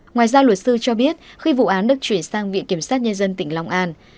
ngoài ra luật sư cho biết khi vụ án được chuyển sang viện kiểm sát nhân dân tỉnh long an